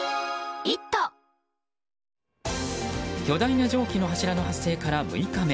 巨大な蒸気の柱の発生から６日目。